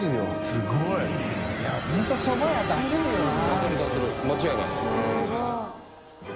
すごいな。